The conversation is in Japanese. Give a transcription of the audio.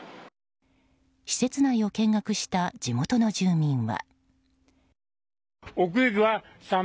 施設内を見学した地元の住民は。